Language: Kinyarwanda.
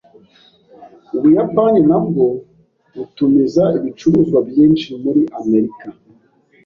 Ubuyapani nabwo butumiza ibicuruzwa byinshi muri Amerika.